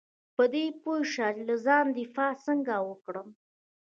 په دې پوه شه چې له ځانه دفاع څنګه وکړم .